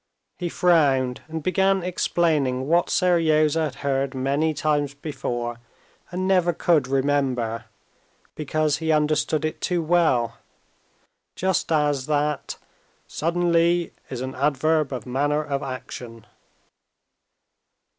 He frowned, and began explaining what Seryozha had heard many times before and never could remember, because he understood it too well, just as that "suddenly" is an adverb of manner of action.